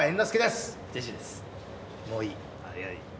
もういい。